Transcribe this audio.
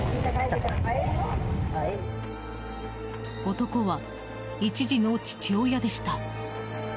男は１児の父親でした。